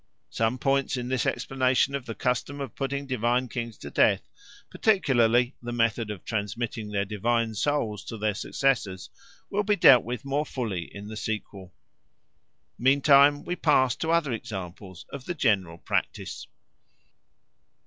Some points in this explanation of the custom of putting divine kings to death, particularly the method of transmitting their divine souls to their successors, will be dealt with more fully in the sequel. Meantime we pass to other examples of the general practice.